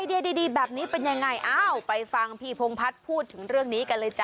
เดียดีแบบนี้เป็นยังไงอ้าวไปฟังพี่พงพัฒน์พูดถึงเรื่องนี้กันเลยจ้